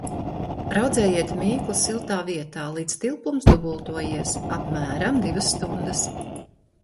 Raudzējiet mīklu siltā vietā, līdz tilpums dubultojies – apmēram divas stundas.